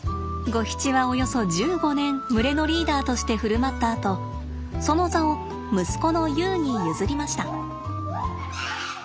ゴヒチはおよそ１５年群れのリーダーとして振る舞ったあとその座を息子のユウに譲りました。